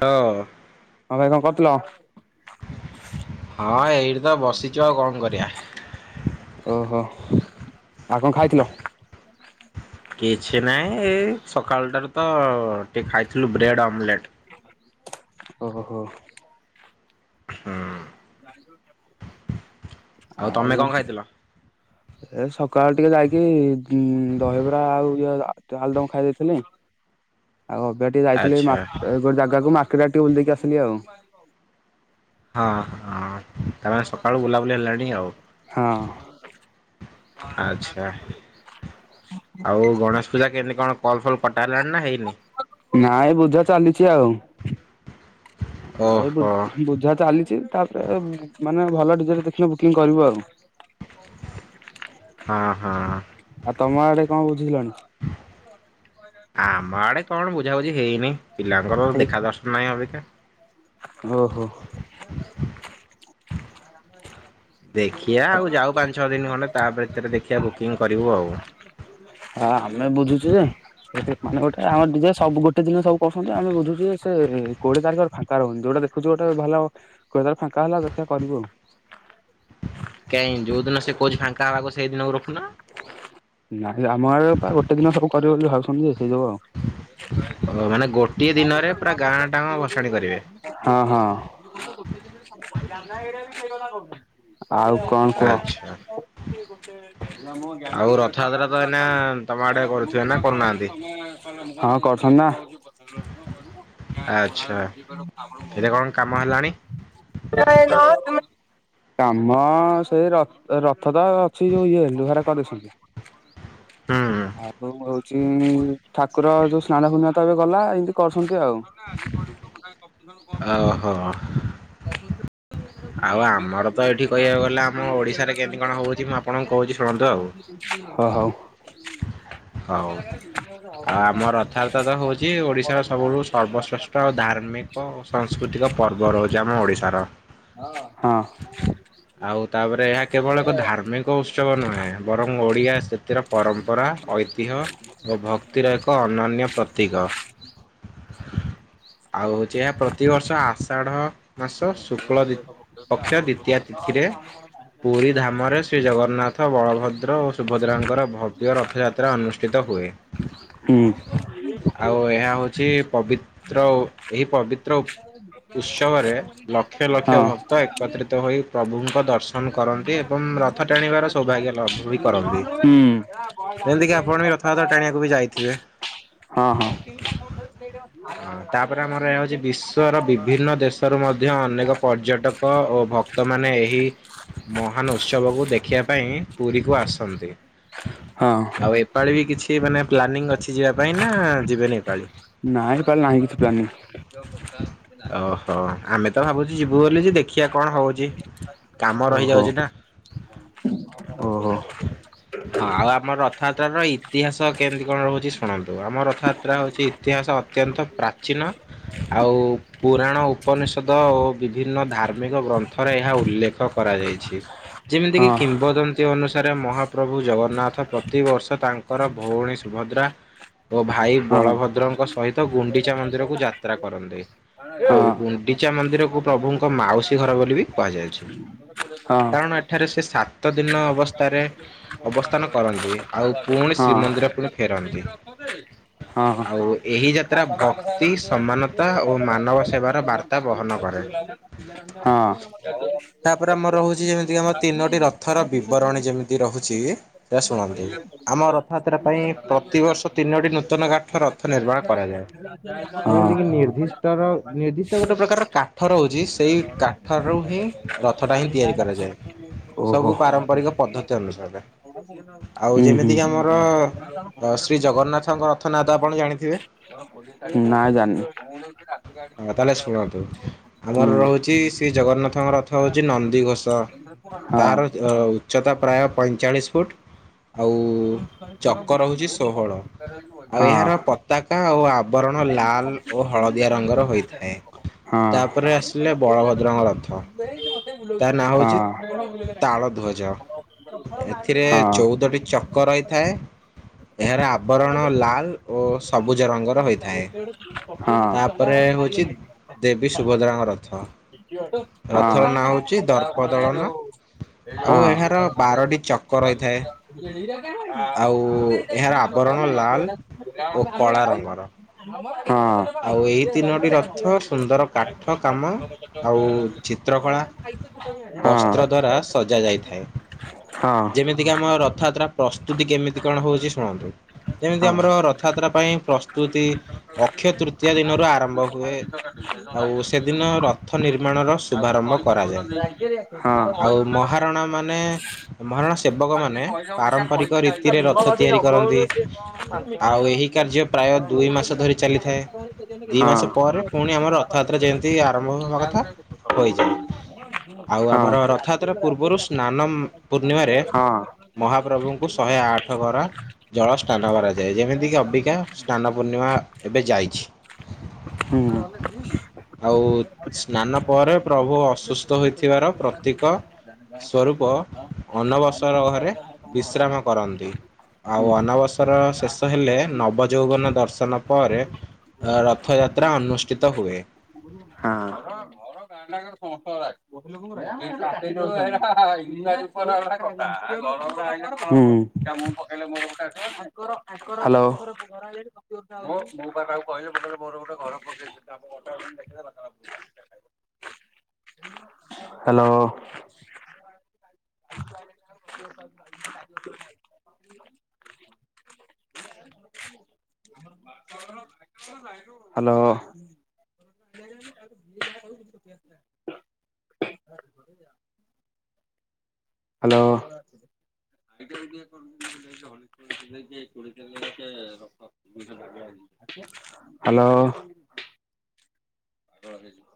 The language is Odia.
ହଁ ହଁ ଭାଇ କଣ କରୁଥିଲ? ହଁ ଏଇଠି ତ ବସିଚୁ ଆଉ କଣ କରିବା? ଓହୋ ଆଉ କଣ ଖାଇଥିଲ? କିଛି ନାହିଁ ଏ ସକାଳଟାରୁ ତ ଟିକେ ଖାଇଥିଲୁ ବ୍ରେଡ଼୍ ଅମଲେଟ୍। ଓହୋ‌। ହୁଁ। ଆଉ ତମେ କଣ ଖାଇଥିଲ? ଏ ସକାଳ ଟିକେ ଯାଇକି ଦହିବରା ଆଉ ଇଏ ତ ଆାଲୁଦମ ଖାଇ ଦେଇଥିଲି ଆଉ ଅବେ ଟିକେ ଯାଇଥିଲି ଆଚ୍ଛା ମା ଗୋଟ ଜାଗାକୁ ମାର୍କେଟ ଆଡେ ଟିକେ ବୁଲି ଦେଇକି ଆସିଲି ଆଉ। ହଁ ହଁ। ତାମାନେ ସକାଳୁ ବୁଲାବୁଲି ହେଲାଣି ଆଉ ହଁ। ହ ଆଚ୍ଛା। ଆଉ ଗଣେଶ ପୂଜା କେମିତି କଣ କଲ୍ ଫଲ୍ କଟାହେଲାଣି ନା ହେଇନି। ନାଇଁ ଏ ବୁଝା ଚାଲିଛି ଆଉ। ଆଉ ଏଇ ବୁ ଓହୋ ବୁଝା ଚାଲିଛି। ତାପରେ ମାନେ ଭଲ ଡିଜେ ଟେ ଦେଖିବୁ ବୁକିଂ କରିବୁ ଆଉ। ହଁ ହଁ। ଆଉ ତମ ଆଡେ କଣ ବୁଝିିଲଣି? ଆମ ଆଡେ କଣ ବୁଝାବୁଝି ହେଇନି, ପିଲାଙ୍କର ଦେଖା ଦର୍ଶନ ନାଇଁ ଅବିକା। ଓହୋ। ଦେଖିଆ ଆଉ ଯାଉ ପାଞ୍ଚ ଛଅ ଦିନ ଖଣ୍ଡେ ତା ଭିତରେ ଦେଖିଆ ବୁକିଂ କରିବୁ ଆଉ। ଆ ଆମେ ବୁଝୁଛୁ ଯେ ସେ ମାନେ ଗୋଟେ ଆମର ଡିଜେ ସବୁ ଗୋଟେ ଦିନ ସବୁ କରୁଛନ୍ତି ଯେ, ଆମେ ବୁଝୁଛୁ ଯେ ସେ କୋଡିଏ ତାରିଖରେ ଫା କା ରୋଉନି ଯୋଉଟା ଦେଖୁଛୁ ଗୋଟେ ଭଲ [unintelligible] ଫାଙ୍କା ହେଲା ଦେଖିଆ କରିବୁ ଆଉ। କାଇଁ ଯୋଉଦିନ ସିଏ କୋଉଛି ଫାଙ୍କା ହବାକୁ ସେଇ ଦିନକୁ ରଖୁନା। ନାହିଁ ଆମ ଆ ପା ଗୋଟେ ଦିନ ସବୁ କରିବେ ବୋଲି ଭାବୁଛନ୍ତି ଯେ ହେଇଯିବ ଆଉ। ହଁ ଓ ମାନେ ଗୋଟିଏ ଦିନରେ ପୁରା ଗାଁ ଟାଙ୍କ ଭସାଣି କରିବେ ହଁ ଆଉ କଣ କୁହ। ଆଚ୍ଛା। ଆଉ ରଥଯାତ୍ରା ତ ଏଇନା ତମ ଆଡେ କରୁଥିବେ ନା କରୁନାହାନ୍ତି ହଁ କରୁଛନ୍ତି ନା। ଆଚ୍ଛା। ଏଇଟା କଣ କାମ ହେଲାଣି [inaudible] [unintelligible] କାମ ସେଇ ର ରଥ ତ ଅଛି ଯୋଉ ଇଏ ଲୁହା ରେ କରିଛନ୍ତି। ହୁଁ। ଆଗକୁ ଭୋଉତ ଚିଁ ଠାକୁର ଯୋଉ ସ୍ନାନ ପୁନିମା ତ ଏବେ ଗଲା ଏମତି କରୁଛନ୍ତି ଆଉ। [inaudible] ଓହୋ [inaudible] ଓ ଆଉ ଆମର ତ ଏଠି କହିବାକୁ ଗଲେ ଆମ ଓଡିଶାରେ କେମିତି କଣ ହଉଛି ମୁଁ ଆପଣଙ୍କୁ କହୁଛି ଶୁଣନ୍ତୁ ଆଉ ହଉ। [inaudible] ହଉ। ଆଉ ଆମ ରଥଯାତ୍ରା ତ ହଉଛି ଓଡିଶାର ସବୁଠୁ ସର୍ବଶ୍ରେଷ୍ଠ ଆଉ ଧାର୍ମିକ ଓ ସଂସ୍କୃତିକ ପର୍ବ ରହୁଛି ଆମ ଓଡିଶାର। ହଁ। ଆଉ ତାପରେ ଏହା କେବଳ ଏକ ଧାର୍ମି କ ଉତ୍ସବ ନୁହେଁ ବରଂ ଓଡ଼ିଆ ସେଥିର ପରମ୍ପରା ଐ ଅ ଓ ଭକ୍ତିର ଏକ ଅନନ୍ୟ ପ୍ରତୀକ। ଆଉ ହୋଉଛି ଏହା ପ୍ରତିବର୍ଷ ଆଷାଢ଼ ମାସ ଶୁକ୍ଳ ଦି ପକ୍ଷ ଦିତୀୟା ତିଥିରେ ପୁରୀ ଧାମରେ ଶ୍ରୀ ଜଗନ୍ନା ଥ, ବଳଭଦ୍ର ଓ ସୁଭଦ୍ରାଙ୍କର ଭବ୍ୟ ରଥଯାତ୍ରା ଅନୁଷ୍ଠିତ ହୁଏ। ହୁଁ ଆଉ ଏହା ହୋଉଛି ପବିତ୍ର ଓ ଏହି ପବିତ୍ର ଉ ଉତ୍ସବରେ ଲକ୍ଷ ଲକ୍ଷ ହଁ ଭକ୍ତ ଏକତ୍ରିତ ହୋଇ ପ୍ରଭୁଙ୍କ ଦର୍ଶନ କରନ୍ତି ଏବଂ ର ଥ ଟାଣିବାର ସୌଭାଗ୍ୟ ଲାଭ ବି କରନ୍ତି। ହୁଁ ଯେମିତିକି ଆପଣ ବି ରଥଯାତ୍ରା ଟାଣିବାକୁ ବି ଯାଇଥିବେ। ହଁ ହଁ। ହଁ, ତାପରେ ଆମର ଏହା ହଉଛି ବିଶ୍ଵର ବିଭିନ୍ନ ଦେଶରୁ ମଧ୍ୟ ଅନେକ ପର୍ଯ୍ୟଟକ କ ଓ ଭକ୍ତ ମାନେ ଏହି ମହାନ ଉତ୍ସବକୁ ଦେଖିବା ପାଇଁ ପୁରୀକୁ ଆସନ୍ତି। ହଁ ଆଉ ଏପାଳି ବି କିଛି ମାନେ ପ୍ଲାନିଂ ଅଛି ଯିବା ପାଇଁ ନା, ଯିବେନି ଏପାଳି। ନା ଏପାଳି ନାହିଁ କିଛି ପ୍ଲାନିଂ। ଓହୋ ଆମେ ତ ଭାବୁଚୁ ଯିବୁ ବୋଲି ଯେ ଦେଖିଆ କଣ ହଉଚି? କାମ ଓହୋ ରହିଯାଉଚି ନା। ଓହୋ। ହଁ ଆଉ ଆମ ରଥଯାତ୍ରା ର ଇତିହାସ କେମିତି କଣ ରହୁଚି ଶୁଣନ୍ତୁ। ଆମ ରଥଯାତ୍ରା ହଉଚି ଇତିହାସ ଅତ୍ୟନ୍ତ ପ୍ରାଚୀନ ଆଉ ପୁରାଣ ଉପନିଷଦ ଓ ବିଭିନ୍ନ ଧାର୍ମିକ ଗ୍ରନ୍ଥରେ ଏହା ଉଲ୍ଲେଖ କରାଯାଇଛି। ଯେମିତିକି ହଁ କିମ୍ବଦନ୍ତୀ ଅନୁସାରେ ମହାପ୍ରଭୁ ଜଗନ୍ନାଥ ପ୍ରତିବର୍ଷ ତା ଙ୍କର ଭଉଣୀ ସୁଭଦ୍ରା ଓ ଭାଇ ହଁ ହଁ। ବଳଭଦ୍ରଙ୍କ ସହିତ ଗୁଣ୍ଡିଚା ମନ୍ଦିରକୁ ଯାତ୍ରା କରନ୍ତି ହଁ ଆଉ ଗୁଣ୍ଡିଚା ମନ୍ଦିରକୁ ପ୍ରଭୁଙ୍କ ମାଉସୀ ଘର ବୋଲି ବି କୁହାଯାଇଚି। ହଁ ହଁ। କାରଣ ଏଠାରେ ସେ ସାତ ଦିନ ଅବସ୍ଥାରେ ଅବସ୍ଥାନ କରନ୍ତି ଆଉ ପୁଣି ଶ୍ରୀମନ୍ଦିର ପୁଣି ଫେରନ୍ତି। ହଁ ହଁ ଆଉ ଏହି ଯାତ୍ରା ଭକ୍ତି ସମାନତା ଓ ମାନବ ସେବା ବାର୍ତ୍ତା ବହନ କରେ ତାପରେ ଆମର ରହୁଚି ଯେମିତି ଆମ ତିନୋଟି ର ଥର ବିବରଣୀ ଯେମିତି ରହୁଚି ସେ ଶୁଣନ୍ତୁ ଆମ ରଥଯାତ୍ରା ପାଇଁ ପ୍ରତିବର୍ଷ ତିନୋଟି ନୂତନ କାଠ ରଥ ନିର୍ମାଣ କରାଯାଏ। ହଁ। ଯେମିତିକି ନିର୍ଦ୍ଦିଷ୍ଟ ର ନିର୍ଦ୍ଦିଷ୍ଟ ଗୋଟେ ପ୍ରକାର କାଠ ରହୁଚି ସେଇ କାଠ ରୁ ହିଁ ରଥ ଟା ହିଁ ତିଆରି କରାଯାଏ। ହୁଁ। ହଁ ସବୁ ପାରମ୍ପରିକ ପଦ୍ଧତି ଅନୁସାରେ ଆଉ ଯେମିତିକି ଆମର ଶ୍ରୀ ଜଗନ୍ନାଥଙ୍କ ରଥ ନାଁ ତ ଆପଣ ଜାଣିଥିବେ? ନା ଜାଣିନି। ତାହେଲେ ଶୁଣନ୍ତୁ, ଆମର ରହୁଚି ଶ୍ରୀ ଜଗନ୍ନାଥଙ୍କ ରଥ ହଉଚି ନନ୍ଦିଘୋଷ। ତାର ଅ ଉଚ୍ଚତା ପ୍ରାୟ ପଇଁଚାଳିଶ ଫୁଟ ଆଉ ଚକ ରହୁଛି ଷୋହଳ। ଆଉ ଏହାର ହଁ ପତାକା ଓ ଆବରଣ ଲାଲ ଓ ହଳଦିଆ ରଙ୍ଗର ହୋଇଥାଏ। ହଁ ତାପରେ ଆସିଲେ ବଳଭଦ୍ରଙ୍କ ରଥ ତା ନାଁ ହଁ ହଉଛି ତାଳ ଧ୍ୱଜ। ଏଥିରେ ହଁ ଚଉଦଟି ଚକ ରହିଥାଏ ଏହାର ଆବରଣ ଲାଲ ଓ ସ୍ ସବୁଜ ରଙ୍ଗର ହୋଇଥାଏ। ତାପରେ ହଉଚି ଦେବୀ ସୁଭଦ୍ରାଙ୍କ ରଥ। ରଥର ନାଁ ହଉଛି ଦର୍ପଦଳନ ହଁ ଆଉ ଏହାର ବାରଟି ଚକ ରହିଥାଏ। ହଁ ଆଉ ଏହାର ଆବରଣ ଲାଲ [unintelligible] ଓ କଳା ରଙ୍ଗର। ହଁ ଆଉ ଏହି ତିନୋଟି ରଥ ସୁନ୍ଦର କାଠ କାମ ଆଉ ଚିତ୍ରକଳା [unintelligible] ବସ୍ତ୍ର ଦ୍ଵାରା ସଜା ଯାଇଥାଏ। ଯେମିତିକି ଆମ ରଥଯାତ୍ରା ପ୍ରସ୍ତୁତି କେମିତି କଣ ହଉଚି ଶୁଣନ୍ତୁ। ଯେମିତି ଆମର ରଥଯାତ୍ରା ପାଇଁ ପ୍ରସ୍ତୁତି ଅକ୍ ଅକ୍ଷୟ ତୃତୀୟା ଦିନରୁ ଆରମ୍ଭ ହୁଏ ଆଉ ସେଦିନ ରଥ ନିର୍ମାଣର ସ୍ ଶୁଭାରମ୍ଭ କରାଯାଏ। ଆଉ ମହାରଣା ମାନେ ମହାରଣା ସେବକମାନେ ପାରମ୍ପରିକ ରୀତିରେ ରଥ ତିଆରି କରନ୍ତି। ଆଉ ଏହି କାର୍ଯ୍ୟ ପ୍ରାୟ ଦୁଇ ମାସ ଧରି ଚାଲି ଥାଏ। ଦି ମାସ ପରେ ପୁଣି ଆମର ରଥଯାତ୍ରା ଯେମିତି ଆରମ୍ଭ ହବା କଥା ହୋଇଯାଏ। ଆଉ ଆମର ରଥଯାତ୍ରା ପୂର୍ବରୁ ସ୍ନାନମ୍ ପୂର୍ଣ୍ଣିମାରେ ହ୍ୟାଲୋ ମହା ପ୍ରଭୁଙ୍କୁ ଶହେ ଆଠ ଗରା ଜଳ ସ୍ନାନ କରାଯାଏ। ଯେମିତିକିି ଅବିକା ସ୍ନାନ ପୂର୍ଣ୍ଣିମା ଏବେ ଯାଇଚି। ହୁଁ। ଆଉ ସ୍ନାନ ପରେ ପ୍ରଭୁ ଅସୁସ୍ଥ ହୋଇଥିବାର ପ୍ରତୀକ ଯାହା ସବୁ ସ୍ୱରୂପ ଆସୁ କଥାହୋ। ଅନବସର ଘରେ। ବିଶ୍ରାମ କରନ୍ତି ଆଉ ଅନବସର ଶେଷ ହେଲେ ନବଯୌବନ ଦର୍ଶନ ପରେ ରଥଯାତ୍ରା ଅନୁଷଷ୍ଟିତ ହୁଏ। ‌ହଁ। ଘର ଗାଁଟାନାଖାର ସମସ୍ତଙ୍କର ଆସିଥିବ? [inaudible] ହୁଁ ହାଲୋ। ମୁଁ ମୁଁ ତାକୁ କହିଲି ମୋର ଗୋଟେ ଘର ପକେଇ ଦେ। ସିଏ ଆମ ଘର ଟାକୁ କେମିତି ଦେଖିଦେଲା। ହାଲୋ। ହାଲୋ। ହାଲୋ। [inaudible] ହାଲୋ। ଦଳ ଦେଖୁଅ।